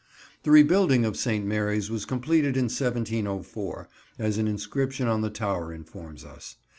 The rebuilding of St. Mary's was completed in 1704, as an inscription on the tower informs us.